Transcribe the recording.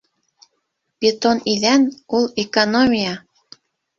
Бетон иҙән - ул экономия!